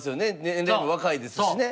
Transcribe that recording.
年齢も若いですしね。